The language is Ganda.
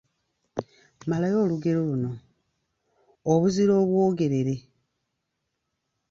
Malayo olugero luno: Obuzira obwogerere, …..